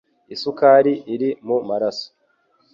isukari iri mu maraso